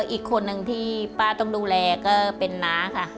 อีกคนนึงที่ป้าต้องดูแลก็เป็นน้าค่ะ